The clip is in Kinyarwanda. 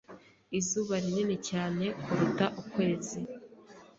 Izuba rinini cyane kuruta ukwezi.